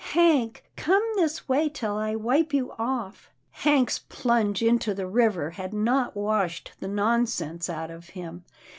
Hank, come this way, till I wipe you off." Hank's plunge into the river had not washed the nonsense out of him.